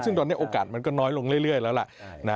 ซึ่งตอนนี้โอกาสมันก็น้อยลงเรื่อยแล้วล่ะ